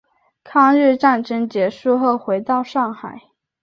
抗日战争结束后回到上海。